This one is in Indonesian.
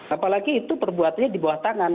apalagi itu perbuatannya di bawah tangan